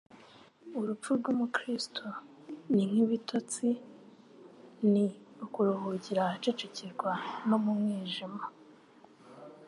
Urupfu rw'umukristo ni nk'ibitotsi, ni ukuruhukira ahacecekerwa no mu mwijima.